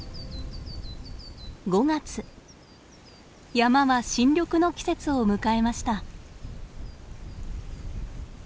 山は新緑の季節を迎えました。